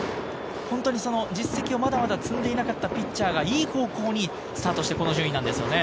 本当に実績をまだまだ積んでいなかったピッチャーがいい方向にスタートして、この順位なんですよね。